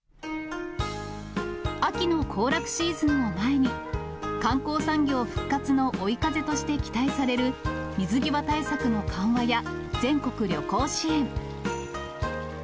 秋の行楽シーズンを前に、観光産業復活の追い風として期待される水際対策の緩和や全国旅行支援。